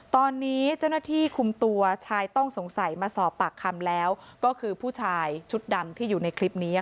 ตอนนี้เจ้าหน้าที่คุมตัวชายต้องสงสัยมาสอบปากคำแล้วก็คือผู้ชายชุดดำที่อยู่ในคลิปนี้